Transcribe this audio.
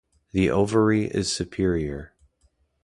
The ovary is superior.